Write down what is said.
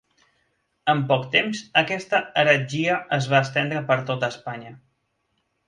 En poc temps aquesta heretgia es va estendre per tota Espanya.